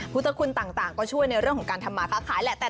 ผู้ทุกคนต่างก็ช่วยในเรื่องของการทำมาคะถ่ายและแต่